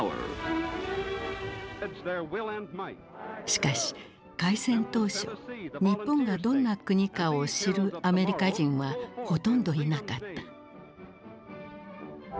しかし開戦当初日本がどんな国かを知るアメリカ人はほとんどいなかった。